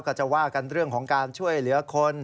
ก็จะว่ากันเรื่องของการช่วยเหลือคน